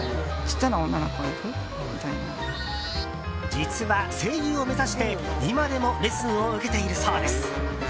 実は声優を目指して、今でもレッスンを受けているそうです。